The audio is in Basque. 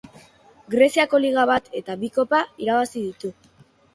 Greziako liga bat eta bi kopa irabazi ditu.